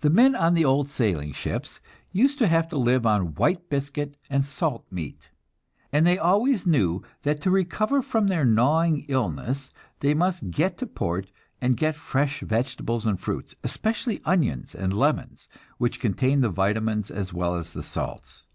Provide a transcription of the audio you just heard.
The men on the old sailing ships used to have to live on white biscuit and salt meat, and they always knew that to recover from their gnawing illness, they must get to port and get fresh vegetables and fruits, especially onions and lemons, which contain the vitamines as well as the salts.